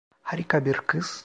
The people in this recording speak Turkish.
Harika bir kız.